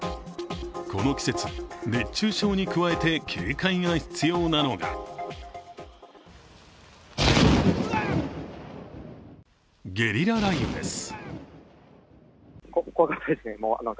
この季節、熱中症に加えて警戒が必要なのがゲリラ雷雨です。